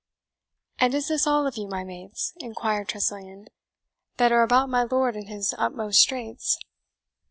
"And is this all of you, my mates," inquired Tressilian, "that are about my lord in his utmost straits?"